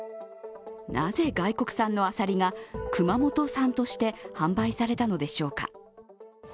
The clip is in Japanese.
なぜ外国産のアサリが熊本産として販売されたのでしょうか。